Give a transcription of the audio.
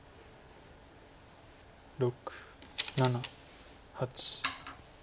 ６７８。